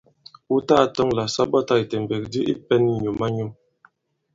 Wu tagā tɔŋ là sa ɓɔtā ìtèmbèk di i pɛ̄n nyǔm-a-nyum.